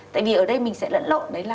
tại vì ở đây mình sẽ lẫn lộn